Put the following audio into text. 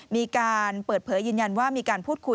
มีการเปิดเผยยืนยันว่ามีการพูดคุย